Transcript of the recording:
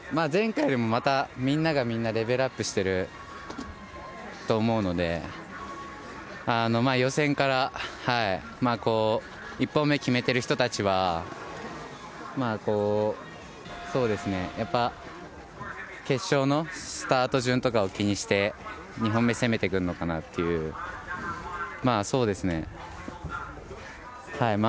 前回よりもまた、みんながみんなレベルアップしてると思うので、予選から、１本目決めてる人たちは、そうですね、やっぱ、決勝のスタート順とかを気にして、２本目攻めてくるのかなっていう、そうですね。